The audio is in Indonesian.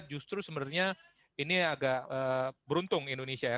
justru sebenarnya ini agak beruntung indonesia ya